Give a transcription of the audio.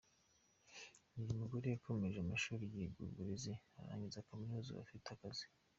Uyu mugore yakomeje amashuri yiga uburezi arangiza kaminuza ubu afite akazi.